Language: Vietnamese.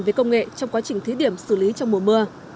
về công nghệ trong quá trình thí điểm xử lý trong mùa mưa